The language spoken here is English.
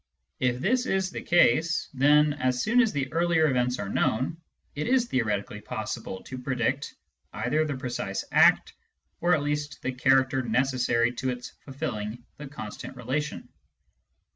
If this is the case, then, as soon as the earlier events are known, it is theoretically possible to predict either the precise act, or at least the character necessary to its fulfilling the constant relation.